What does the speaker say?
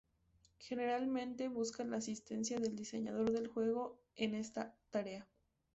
Generalmente busca la asistencia del diseñador del juego en esta tarea.